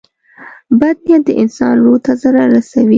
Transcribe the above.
• بد نیت د انسان روح ته ضرر رسوي.